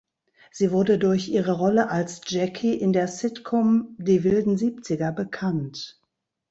Sie wurde durch ihre Rolle als Jackie in der Sitcom "Die wilden Siebziger" bekannt.